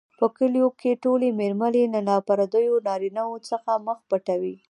په کلیو کې ټولې مېرمنې له نا پردیو نارینوو څخه مخ پټوي.